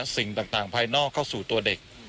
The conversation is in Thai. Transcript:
สิ่งต่างภายนอกเข้าสู่ตัวเด็ก